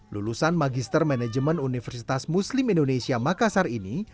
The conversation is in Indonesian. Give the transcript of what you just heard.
lulusan magister manajemen universitas muslim indonesia makassar ini